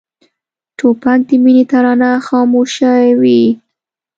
توپک د مینې ترانه خاموشوي.